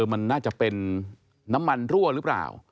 มันน่าจะเป็นน้ำมันรั่วหรือเปล่า